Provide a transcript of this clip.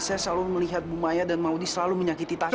saya selalu melihat bumaya dan maudi selalu menyakiti tasya